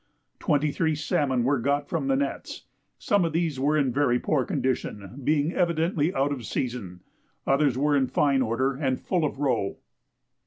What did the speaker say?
Twenty three salmon were got from the nets; some of these were in very poor condition being evidently out of season; others were in fine order and full of roe.